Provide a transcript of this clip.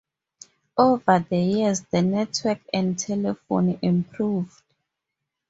Over the years, the network and telephony improved.